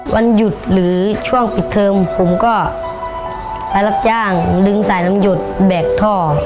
วันหยุดหรือช่วงปิดเทิมผมก็ไปรับจ้างดึงสายน้ำหยดแบกท่อ